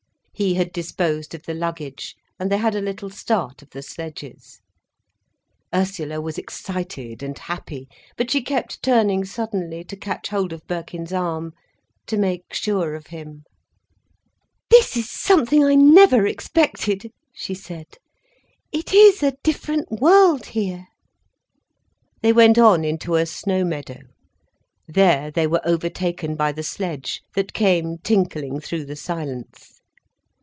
He had disposed of the luggage, and they had a little start of the sledges. Ursula was excited and happy, but she kept turning suddenly to catch hold of Birkin's arm, to make sure of him. "This is something I never expected," she said. "It is a different world, here." They went on into a snow meadow. There they were overtaken by the sledge, that came tinkling through the silence.